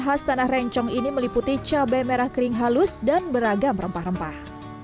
khas tanah rencong ini meliputi cabai merah kering halus dan beragam rempah rempah